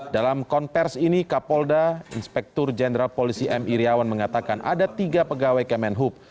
dalam konversi ini kapolda inspektur jenderal polisi m iryawan mengatakan ada tiga pegawai kemenhub